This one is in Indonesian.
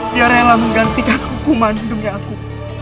dia rela menggantikan hukuman di dunia aku